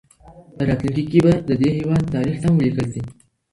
په راتلونکي کي به د دې هېواد تاریخ سم ولیکل سي.